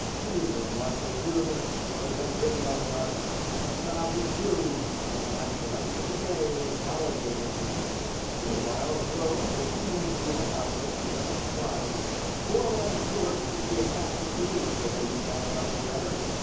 "Tomb of Marshal Brune" was then written on the arch, and the crowd withdrew, and passed the rest of the day in holiday making. Meanwhile the Rhone, refusing to be an accomplice in such a crime, bore away the corpse, which the assassins believed had been swallowed up for ever.